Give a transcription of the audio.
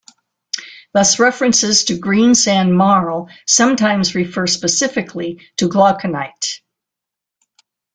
Thus references to "greensand marl" sometimes refer specifically to glauconite.